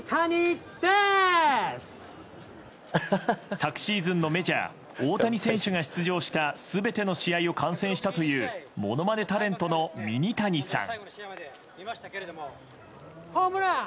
昨シーズンのメジャー大谷選手が出場した全ての試合を観戦したというものまねタレントのミニタニさん。